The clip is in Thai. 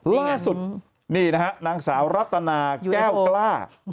ล่าสุดนี่นะฮะนางสาวรัตนาแก้วกล้า